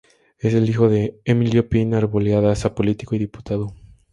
Es hijo de Emilio Pin Arboledas, político y diputado.